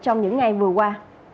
trong những ngày vừa qua